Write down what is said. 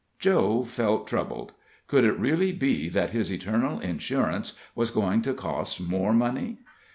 Joe felt troubled. Could it really be that his eternal insurance was going to cost more money?